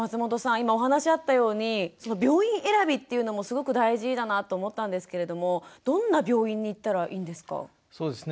今お話あったように病院選びっていうのもすごく大事だなと思ったんですけれどもどんな病院に行ったらいいんですか？